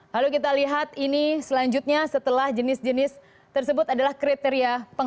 lalu kita lihat ini selanjutnya setelah jenis jenis tersebut adalah kriteria